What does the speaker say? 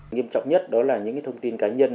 nghiêm trọng nhất đó là những thông tin cá nhân